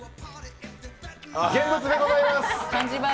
現物でございます。